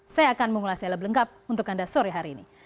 saya akan mengulasnya lebih lengkap untuk anda sore hari ini